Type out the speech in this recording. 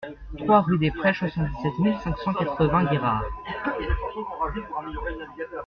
trois rue des Prêches, soixante-dix-sept mille cinq cent quatre-vingts Guérard